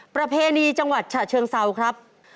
ประเพณีจังหวัดฉะเชิงเซาครับ